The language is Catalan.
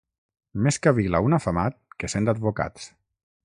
Més cavil·la un afamat que cent advocats.